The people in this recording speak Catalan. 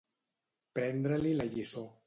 Prendre-li la lliçó.